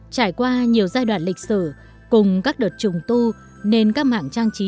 trải qua nhiều giai đoạn lịch sử cùng các đợt trùng tu nên các mảng trang trí